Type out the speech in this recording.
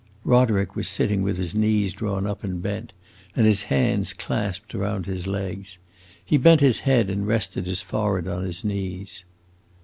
Roderick was sitting with his knees drawn up and bent, and his hands clapsed around his legs. He bent his head and rested his forehead on his knees.